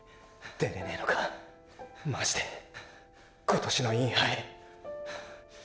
出れねェのかマジで今年のインハイ！！